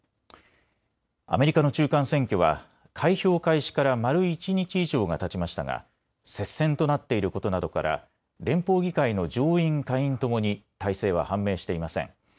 アメリカの中間選挙は開票開始から丸一日以上がたちましたが接戦となっていることなどから連邦議会の上院、下院ともに大勢は判明していません。